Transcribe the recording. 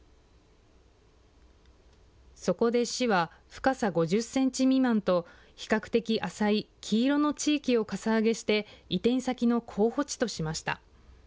そこで市は深さ５０センチ未満と、比較的浅い黄色の地域をかさ上げして移転先の候補地としました。